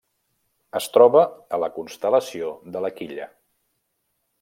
Es troba a la constel·lació de la Quilla.